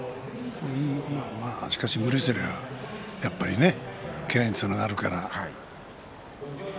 しかし、無理すりゃやっぱりけがにつながるから。